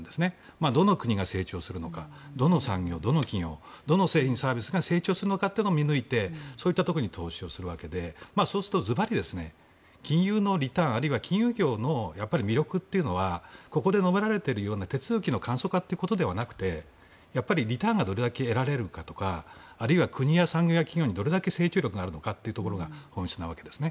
どの国が成長するのかどの産業、どの企業どの製品、サービスが成長するのかを見抜いてそういったところに投資するわけでそうするとずばり金融のリターンあるいは金融業の魅力というのはここで述べられているような手続きの簡素化ということではなくてリターンがどれだけ得られるかとか国や産業や企業にどれだけ成長力があるのかというのが本質なわけですね。